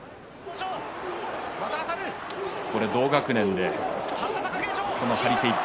同学年でこの張り手１発。